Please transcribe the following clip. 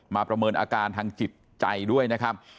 ประเมินอาการทางจิตใจด้วยนะครับ